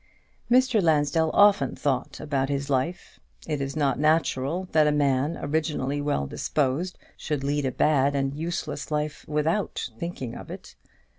Mr. Lansdell often thought about his life. It is not natural that a man, originally well disposed, should lead a bad and useless life without thinking of it.